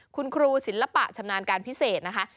คุณครูศิลปะชำนาญการพิเศษนะคะ